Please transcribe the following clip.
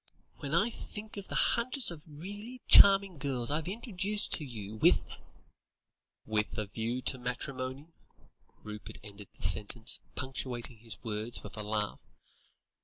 When I think of the hundreds of really charming girls I've introduced you to, with " "With a view to matrimony," Rupert ended the sentence, punctuating his words with a laugh.